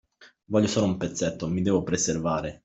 Voglio solo un pezzetto, mi devo preservare.